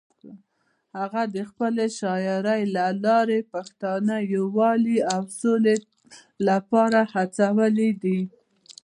هغه د خپلې شاعرۍ له لارې پښتانه د یووالي او سولې لپاره هڅولي دي.